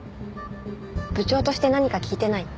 部長として何か聞いてない？